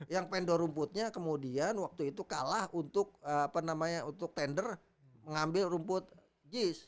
yang pendor rumputnya kemudian waktu itu kalah untuk tender mengambil rumput jis